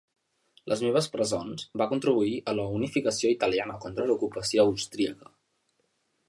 "Les meves presons" va contribuir a la unificació italiana, contra l'ocupació austríaca.